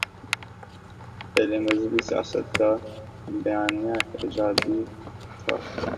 پہلے مذہبی سیاست کا بیانیہ ایجابی تھا۔